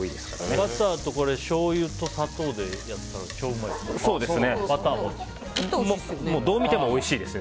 バターとしょうゆと砂糖でやったらそうですね。